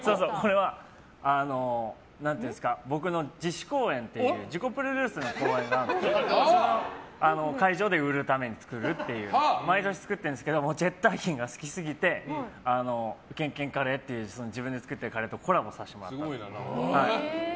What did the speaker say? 僕の自主公演というか自己プロデュースの公演があってその会場で売るために作る毎年作ってるんですけどチェッターヒンが好きすぎてケンケンカレーという自分で作ってるカレーとコラボさせていただいて。